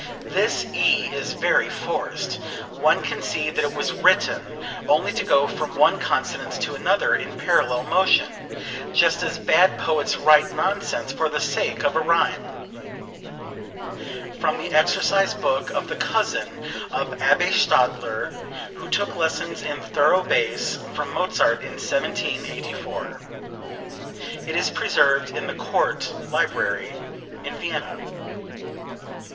"This E is very forced. One can see that it was written only to go from one consonance to another in parallel motion, just as bad poets write nonsense for the sake of a rhyme." (From the exercise book of the cousin of Abbe Stadler who took lessons in thorough bass from Mozart in 1784. It is preserved in the Court Library in Vienna.)